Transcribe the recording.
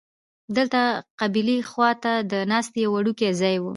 دلته قبلې خوا ته د ناستې یو وړوکی ځای و.